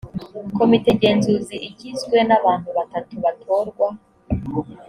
komite ngenzuzi igizwe n’abantu batatu batorwa